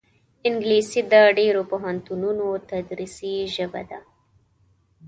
انګلیسي د ډېرو پوهنتونونو تدریسي ژبه ده